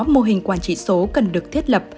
mô hình quản trị số cần được thiết lập